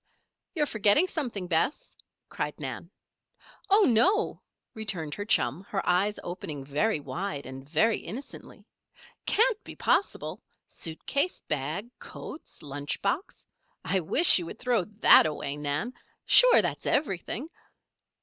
"You're forgetting something, Bess," cried Nan. "Oh, no!" returned her chum, her eyes opening very wide and very innocently. "Can't be possible. Suit case, bag, coats, lunch box I wish you would throw that away, Nan! Sure, that's everything."